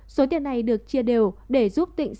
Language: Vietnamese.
số tiền này được chia đều để giúp tịnh